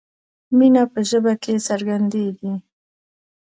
مینه په ژبه کې څرګندیږي.